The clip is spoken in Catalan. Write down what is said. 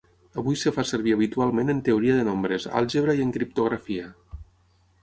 Avui es fa servir habitualment en teoria de nombres, àlgebra i en criptografia.